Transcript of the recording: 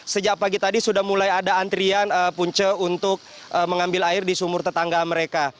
sejak pagi tadi sudah mulai ada antrian punce untuk mengambil air di sumur tetangga mereka